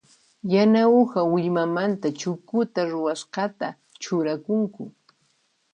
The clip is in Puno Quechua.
Yana uha willmamanta chukuta ruwasqata churakunku.